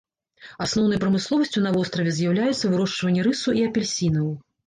Асноўнай прамысловасцю на востраве з'яўляюцца вырошчванне рысу і апельсінаў.